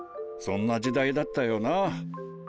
そんな時代だったよな。